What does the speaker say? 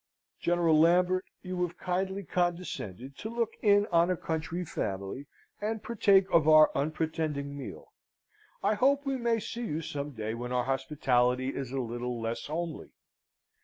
General Lambert, you have kindly condescended to look in on a country family, and partake of our unpretending meal. I hope we may see you some day when our hospitality is a little less homely.